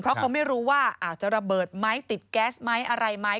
เพราะเขาไม่รู้ว่าอาจจะระเบิดไหมติดแก๊สไหมอะไรไหม